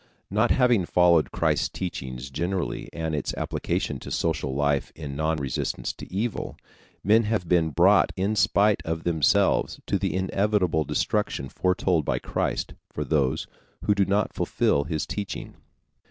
Not having followed Christ's teaching generally and its application to social life in non resistance to evil, men have been brought in spite of themselves to the inevitable destruction foretold by Christ for those who do not fulfill his teaching.